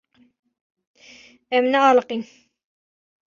Em nealiqîn.